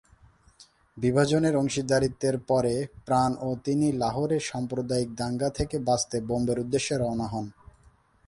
বিভাজনের অংশীদারিত্বের পরে প্রাণ ও তিনি লাহোরে সাম্প্রদায়িক দাঙ্গা থেকে বাঁচতে বোম্বের উদ্দেশ্যে রওনা হন।